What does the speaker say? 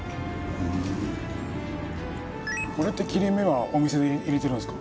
これって切れ目はお店で入れてるんですか？